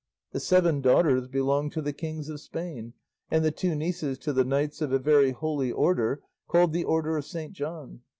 The seven daughters belong to the kings of Spain and the two nieces to the knights of a very holy order called the Order of St. John.